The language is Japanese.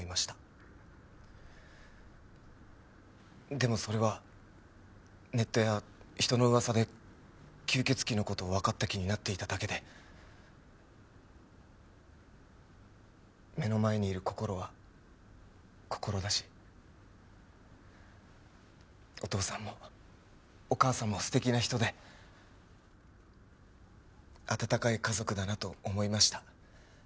でもそれはネットや人の噂で吸血鬼の事をわかった気になっていただけで目の前にいるこころはこころだしお義父さんもお義母さんも素敵な人で温かい家族だなと思いました。